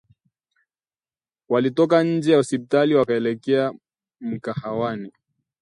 " Walitoka nje ya hospitali wakaelekea mkahawani